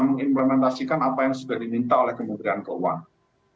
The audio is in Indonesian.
mengimplementasikan apa yang sudah diminta oleh kementerian keuangan